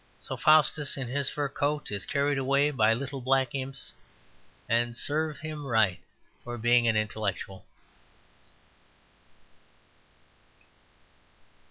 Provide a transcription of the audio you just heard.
So Faustus, in his fur coat, is carried away by little black imps; and serve him right for being an Intellectual.